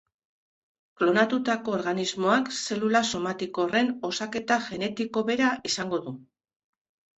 Klonatutako organismoak zelula somatiko horren osaketa genetiko bera izango du.